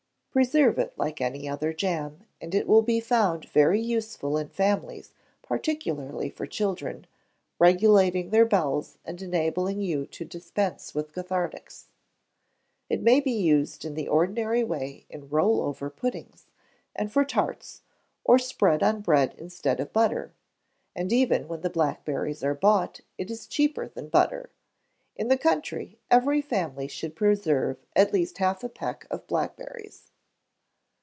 Preserve it like any other jam, and it will be found very useful in families, particularly for children, regulating their bowels, and enabling you to dispense with cathartics. It may be used in the ordinary way in roll over puddings, and for tarts, or spread on bread instead of butter; and even when the blackberries are bought, it is cheaper than butter. In the country every family should preserve at least half a peck of blackberries.